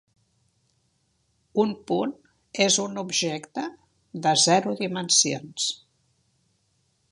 Un punt és un objecte de zero dimensions.